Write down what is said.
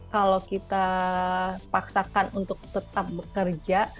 kalau kita paksakan untuk tetap bekerja